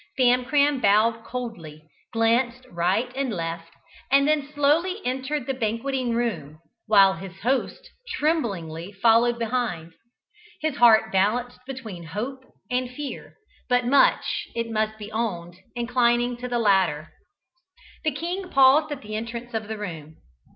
Famcram bowed coldly, glanced right and left, and then slowly entered the banqueting room, while his host tremblingly followed behind, his heart balanced between hope and fear, but much, it must be owned, inclining to the latter. The king paused at the entrance of the room.